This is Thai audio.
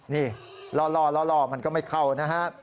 นี่ล่อมันก็ไม่เข้านะฮะ